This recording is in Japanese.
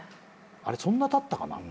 あれそんなたったかな？